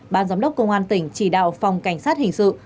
ban giám đốc công an tỉnh chỉ đạo phòng cảnh sát hình sự